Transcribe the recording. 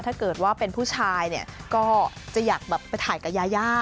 ถ้าเกิดว่าเป็นผู้ชายเนี่ยก็จะอยากแบบไปถ่ายกับยายา